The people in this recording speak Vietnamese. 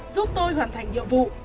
giúp tôi hoàn thành nhiệm vụ